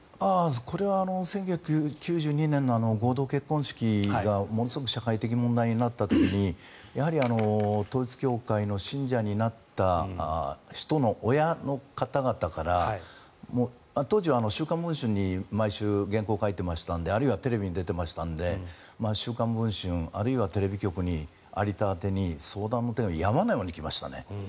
これは１９９２年の合同結婚式がものすごく社会的に問題になった時にやはり統一教会の信者になった人の親の方々から当時は「週刊文春」に毎週、原稿を書いていましたのであるいはテレビに出ていましたので「週刊文春」あるいはテレビ局に有田宛てに相談の手紙が山のように来ました。